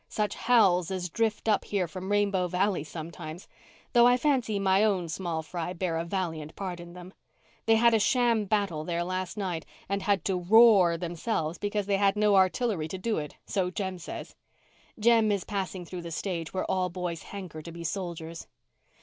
Such howls as drift up here from Rainbow Valley sometimes! Though I fancy my own small fry bear a valiant part in them. They had a sham battle there last night and had to 'roar' themselves, because they had no artillery to do it, so Jem says. Jem is passing through the stage where all boys hanker to be soldiers."